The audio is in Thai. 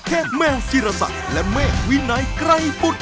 แค่แม่จิรษัยและเมฆวินัยกลายปุด